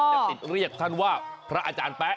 จะติดเรียกท่านว่าพระอาจารย์แป๊ะ